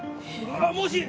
もし！